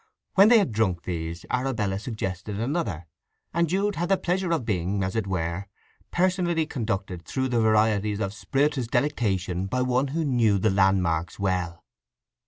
When they had drunk these Arabella suggested another; and Jude had the pleasure of being, as it were, personally conducted through the varieties of spirituous delectation by one who knew the landmarks well.